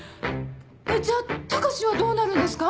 じゃあ高志はどうなるんですか？